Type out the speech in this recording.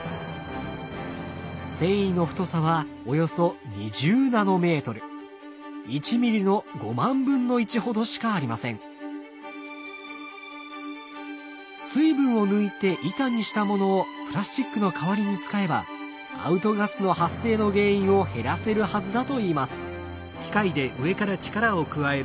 繊維の太さはおよそ水分を抜いて板にしたものをプラスチックの代わりに使えばアウトガスの発生の原因を減らせるはずだといいます。